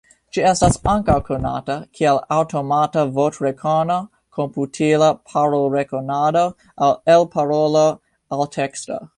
Ĝi estas ankaŭ konata kiel aŭtomata voĉrekono, komputila parolrekonado aŭ elparolo-alteksto.